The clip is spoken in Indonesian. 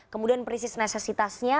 kemudian prinsip necesitasnya